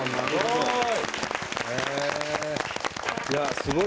すごい。